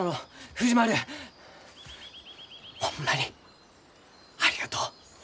藤丸ホンマにありがとう。